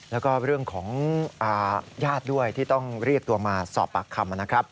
แล้วก็เรื่องของญาติด้วยที่ต้องเรียกตัวมาสอบปากคำนะครับ